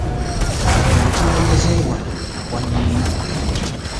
Obukulembeze bwange bwanyumidde .